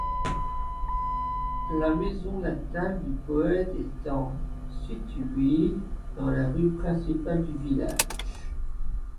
La maison natale du poète était située dans la rue principale du village.